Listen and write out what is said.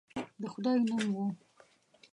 د خدای نوم وو.